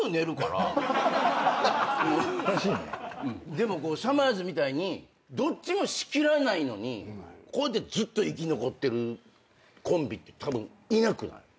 でもさまぁずみたいにどっちも仕切らないのにこうやってずっと生き残ってるコンビってたぶんいなくない？